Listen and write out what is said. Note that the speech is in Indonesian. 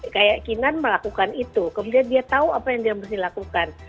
keyakinan melakukan itu kemudian dia tahu apa yang dia mesti lakukan